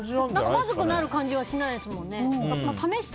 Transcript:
まずくなる感じはしないですよね。